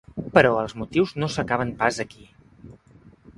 Però els motius no s’acaben pas aquí.